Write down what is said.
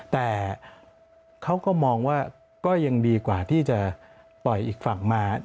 แต่เขาก็มองว่าก็ยังดีกว่าที่จะปล่อยอีกฝั่งมา